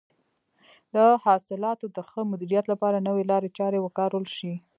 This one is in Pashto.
د حاصلاتو د ښه مدیریت لپاره نوې لارې چارې وکارول شي.